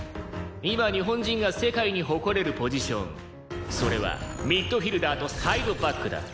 今日本人が世界に誇れるポジションそれはミッドフィールダーとサイドバックだ。